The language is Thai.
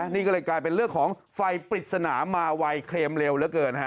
นี่ก็เลยกลายเป็นเรื่องของไฟปริศนามาไวเคลมเร็วเหลือเกินฮะ